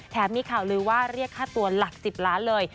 มีข่าวลือว่าเรียกค่าตัวหลัก๑๐ล้านเลย